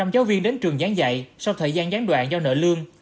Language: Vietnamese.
một trăm linh giáo viên đến trường gián dạy sau thời gian gián đoạn do nợ lương